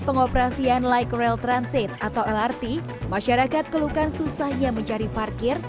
pengoperasian light rail transit atau lrt masyarakat kelukan susahnya mencari parkir